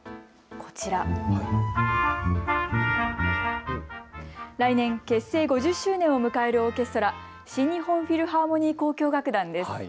こちら、来年結成５０周年を迎えるオーケストラ、新日本フィルハーモニー交響楽団です。